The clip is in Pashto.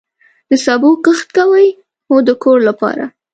د سبو کښت کوئ؟ هو، د کور لپاره